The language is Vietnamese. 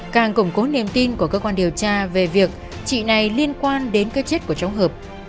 càng củng cố niềm tin của cơ quan điều tra về việc chị này liên quan đến cái chết của cháu hợp